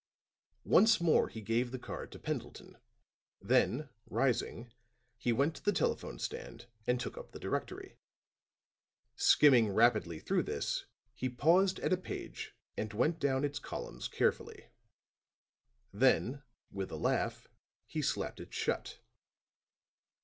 Once more he gave the card to Pendleton; then rising he went to the telephone stand and took up the directory. Skimming rapidly through this he paused at a page and went down its columns carefully. Then with a laugh he slapped it shut.